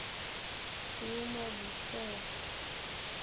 Luma bifer,